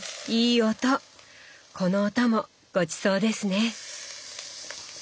この音もごちそうですね。